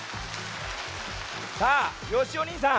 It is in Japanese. さあよしおにいさん